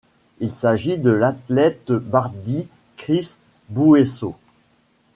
Il s'agit de l'athlète Bardy Chris Bouesso.